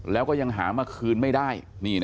แล้วก็ยังหามาคืนไม่ได้